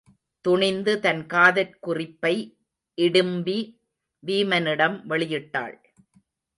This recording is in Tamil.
துணிந்து தன் காதற் குறிப்பை இடிம்பி வீமனிடம் வெளியிட்டாள்.